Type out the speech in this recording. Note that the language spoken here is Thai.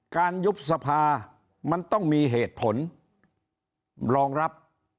ยุบสภามันต้องมีเหตุผลรองรับ